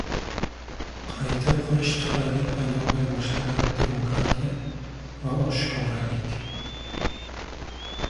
Qayta qurish tufayli paydo bo‘la boshlagan demokratiya va oshkoralik